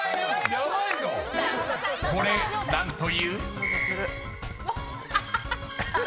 ［これ何という？］